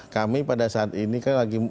kami pada saat ini kan lagi